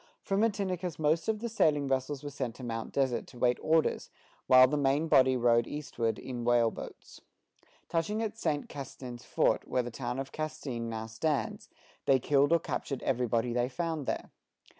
From Matinicus most of the sailing vessels were sent to Mount Desert to wait orders, while the main body rowed eastward in whale boats. Touching at Saint Castin's fort, where the town of Castine now stands, they killed or captured everybody they found there.